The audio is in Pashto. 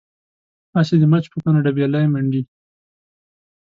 هسې د مچ په کونه ډبلی منډي.